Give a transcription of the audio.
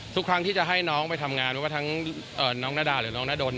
ทุกครั้งที่จะให้น้องไปทำงานไม่ว่าทั้งน้องนาดาหรือน้องนาดน